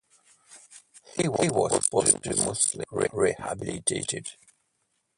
He was posthumously rehabilitated.